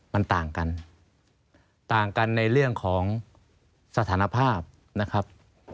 มันต่างกันต่างกันในเรื่องของสถานภาพนะครับ